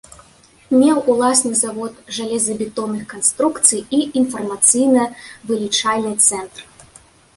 Меў уласны завод жалезабетонных канструкцый і інфармацыйна-вылічальны цэнтр.